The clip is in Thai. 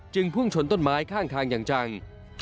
พุ่งชนต้นไม้ข้างทางอย่างจัง